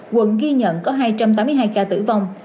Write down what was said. quận ghi nhận có hai trăm tám mươi hai ca tử vong